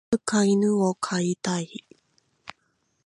いつか犬を飼いたい。